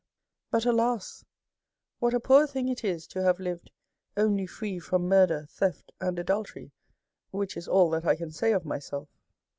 " But, alas ! what a poor thing it is to have lived only free from murder, theft, and adultery, which is all that I can say of myself!